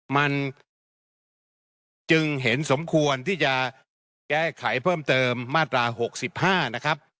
มันจึงเห็นสมควรที่จะแก้ไขเพิ่มเติมมาตรา๖๕นะครับ